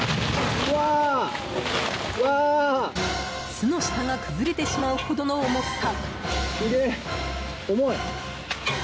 巣の下が崩れてしまうほどの重さ。